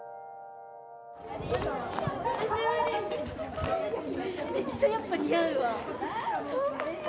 めっちゃやっぱ似合うわ！